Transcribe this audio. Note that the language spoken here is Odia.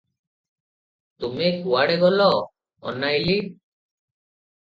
ତୁମେ କୁଆଡେ ଗଲ, ଅନାଇଲି ।